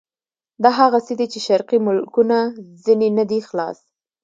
دا هغه څه دي چې شرقي ملکونه ځنې نه دي خلاص.